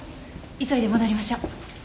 急いで戻りましょう。